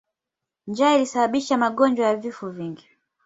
Njaa ilisababisha magonjwa na vifo vingi.